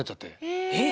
えっ？